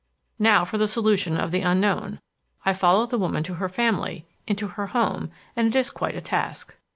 Now for the solution of the unknown. I follow the woman to her family, into her home, and it is quite a task.